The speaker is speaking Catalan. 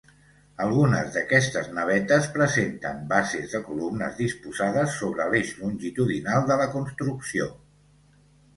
Algunes d'aquestes navetes presenten bases de columnes disposades sobre l'eix longitudinal de la construcció.